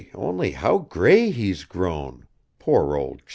only how grey he's grown, poor old chap!"